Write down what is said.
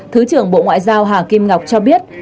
thứ trưởng bộ ngoại giao hà kim ngọc cho biết